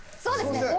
そうですね